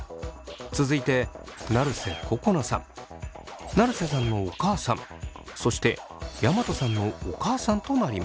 続いて成瀬心奈さん成瀬さんのお母さんそして山戸さんのお母さんとなります。